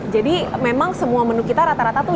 jadi memang semua menu kita rata rata tuh